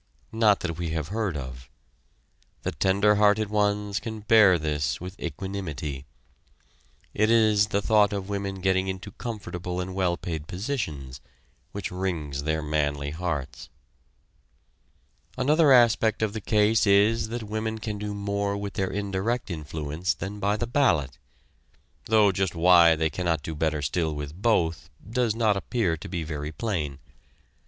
Not that we have heard of. The tender hearted ones can bear this with equanimity. It is the thought of women getting into comfortable and well paid positions which wrings their manly hearts. Another aspect of the case is that women can do more with their indirect influence than by the ballot; though just why they cannot do better still with both does not appear to be very plain.